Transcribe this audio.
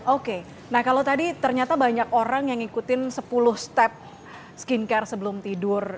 oke nah kalau tadi ternyata banyak orang yang ngikutin sepuluh step skincare sebelum tidur